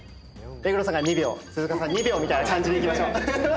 目黒さんが２秒鈴鹿さん２秒みたいな感じでいきましょう。